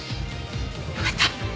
よかった。